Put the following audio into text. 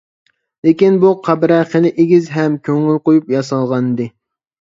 لېكىن بۇ قەبرە خېلى ئېگىز ھەم كۆڭۈل قويۇپ ياسالغانىدى.